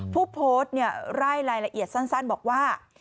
ผู้โพสต์ไล่รายละเอียดสั้นบอกว่า